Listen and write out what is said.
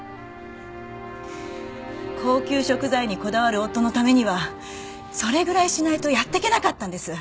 高級食材にこだわる夫のためにはそれぐらいしないとやっていけなかったんです。